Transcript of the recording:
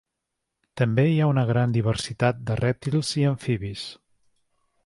També hi ha una gran diversitat de rèptils i amfibis.